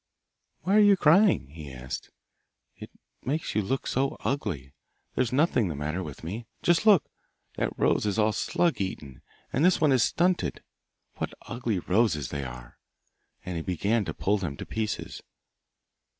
'Why are you crying?' he asked; 'it makes you look so ugly! There's nothing the matter with me. Just look! that rose is all slug eaten, and this one is stunted! What ugly roses they are!' And he began to pull them to pieces.